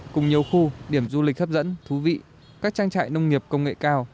cùng nhiều khu điểm du lịch hấp dẫn thú vị các trang trại nông nghiệp công nghệ cao